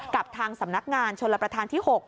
กับทางสำนักงานชนรับประทานที่๖